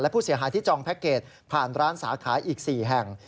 ผู้เสียหายที่จองแพ็คเกจผ่านร้านสาขาอีก๔แห่ง